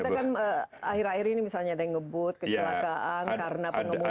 karena kita kan akhir akhir ini misalnya ada yang ngebut kecelakaan karena pengemudinya